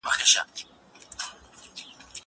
هغه څوک چي وخت تنظيموي منظم وي!!